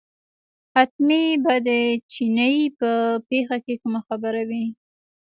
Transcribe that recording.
حتمي به د چیني په پېښه کې کومه خبره وي.